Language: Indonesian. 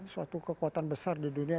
suatu kekuatan besar di dunia